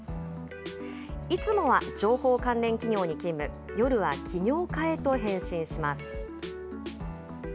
いつもは情報関連企業に勤務、夜は起業家へと変身します。